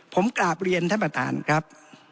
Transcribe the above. ผมกราบเรียนท่านประธานครับ